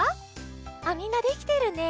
あっみんなできてるね。